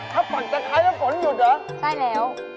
ใช่แล้ว